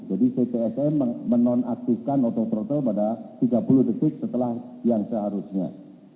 jadi ctsm menonaktifkan auto throttle pada tiga puluh detik setelah yang seharusnya